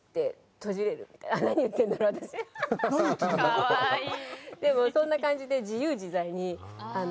かわいい。